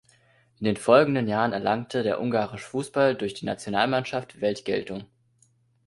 In den folgenden Jahren erlangte der ungarische Fußball durch die Nationalmannschaft Weltgeltung.